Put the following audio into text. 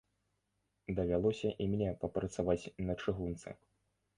Давялося і мне папрацаваць на чыгунцы.